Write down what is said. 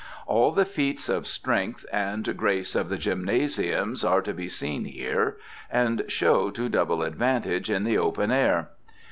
All the feats of strength and grace of the gymnasiums are to be seen here, and show to double advantage in the open air.